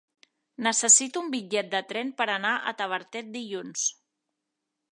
Necessito un bitllet de tren per anar a Tavertet dilluns.